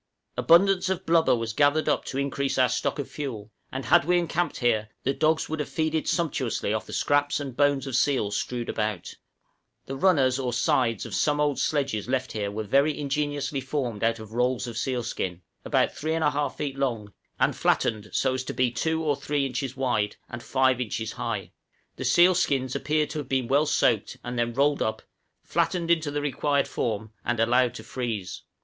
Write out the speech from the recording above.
Abundance of blubber was gathered up to increase our stock of fuel, and had we encamped here, the dogs would have feasted sumptuously off the scraps and bones of seals strewed about. {NATIVE SLEDGES.} The runners (or sides) of some old sledges left here were very ingeniously formed out of rolls of seal skin, about 3 1/2 feet long, and flattened so as to be 2 or 3 inches wide and 5 inches high; the seal skins appeared to have been well soaked and then rolled up, flattened into the required form and allowed to freeze.